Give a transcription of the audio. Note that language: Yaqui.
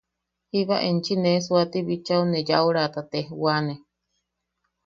Jiba enchi nee suaati bichao ne yaʼurata tejwaane.